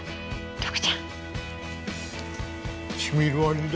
珠ちゃん。